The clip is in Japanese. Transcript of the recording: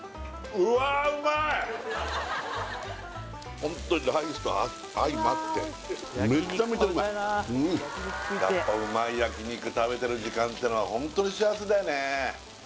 ホントにライスと相まってめちゃめちゃうまいうんやっぱうまい焼肉食べてる時間ってのはホントに幸せだよね